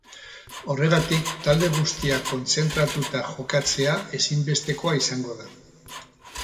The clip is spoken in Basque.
Horregatik, talde guztiak kontzentratuta jokatzea ezinbestekoa izango da.